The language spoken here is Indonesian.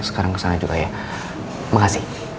sekarang kesana juga ya makasih